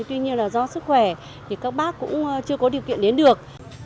tuy nhiên là do sức khỏe thì các bác cũng chưa có điều kiện đến được